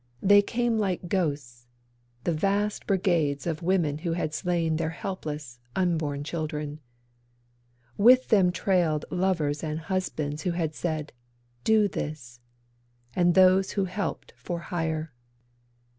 They came like ghosts— The vast brigades of women who had slain Their helpless, unborn children. With them trailed Lovers and husbands who had said, 'Do this,' And those who helped for hire.